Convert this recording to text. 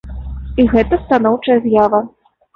І гэта станоўчая з'ява.